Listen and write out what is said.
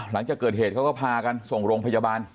หลังจากเกิดเหตุเขาก็พากันส่งโรงพยาบาล